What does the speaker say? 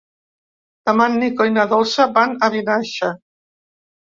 Demà en Nico i na Dolça van a Vinaixa.